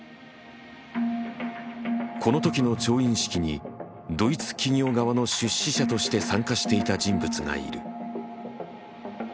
このときの調印式にドイツ企業側の出資者として参加していた人物がいる。